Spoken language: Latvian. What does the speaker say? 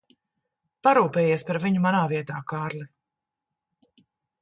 Parūpējies par viņu manā vietā, Kārli.